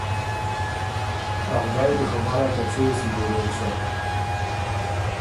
ا خدایٛ دی خبر هۀ که څۀ يې سو جوړېک سۀ۔